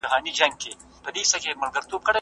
زه به دا توري سترګي چیري بدلومه